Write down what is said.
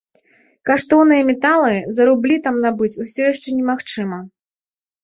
Каштоўныя металы за рублі там набыць усё яшчэ немагчыма.